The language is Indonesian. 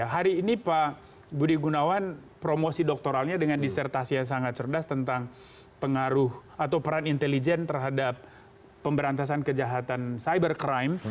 hari ini pak budi gunawan promosi doktoralnya dengan disertasi yang sangat cerdas tentang pengaruh atau peran intelijen terhadap pemberantasan kejahatan cyber crime